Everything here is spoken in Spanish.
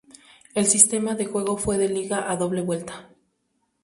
El sistema de juego fue de liga a doble vuelta.